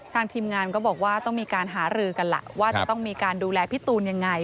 ทีมงานก็บอกว่าต้องมีการหารือกันล่ะว่าจะต้องมีการดูแลพี่ตูนยังไง